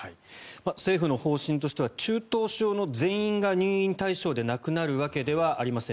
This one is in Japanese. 政府の方針としては中等症の全員が入院対象でなくなるわけではありません。